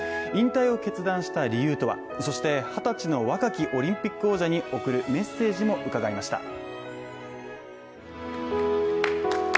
引退を決断した理由とは、そして２０歳の若きオリンピック王者に贈るメッセージも伺いました。